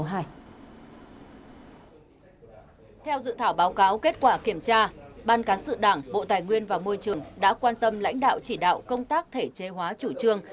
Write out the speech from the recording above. theo dự thảo báo cáo kết quả kiểm tra ban cán sự đảng bộ tài nguyên và môi trường đã quan tâm lãnh đạo chỉ đạo công tác thể chế hóa chủ trương